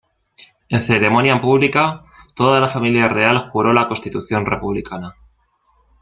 En ceremonia pública, toda la familia real juró la Constitución republicana.